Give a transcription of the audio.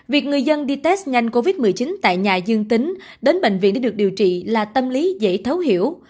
việc người dân đi test nhanh covid một mươi chín tại nhà dương tính đến bệnh viện để được điều trị là tâm lý dễ thấu hiểu